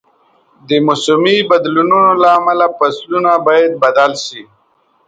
د موسمي بدلونونو له امله فصلونه باید بدل شي.